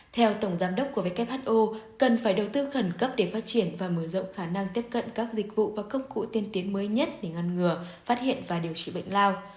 theo tổng giám đốc của who cần phải đầu tư khẩn cấp để phát triển và mở rộng khả năng tiếp cận các dịch vụ và công cụ tiên tiến mới nhất để ngăn ngừa phát hiện và điều trị bệnh lao